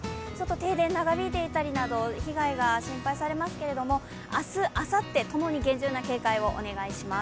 停電長引いていたりなど被害が心配されますけれども、明日、あさってともに厳重な警戒をお願いします。